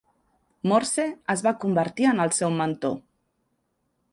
Morse es va convertir en el seu mentor.